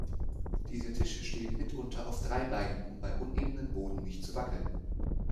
Diese Tische stehen mitunter auf drei Beinen, um bei unebenem Boden nicht zu wackeln.